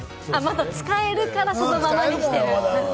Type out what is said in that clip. まだ使えるから、そのままにしてる。